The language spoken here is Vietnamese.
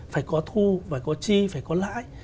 phải có thu phải có chi phải có lãi